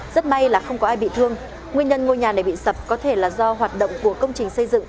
rất may là không có ai bị thương